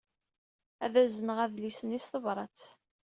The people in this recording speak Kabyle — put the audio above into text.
Ad azneɣ adlis-nni s tebṛat.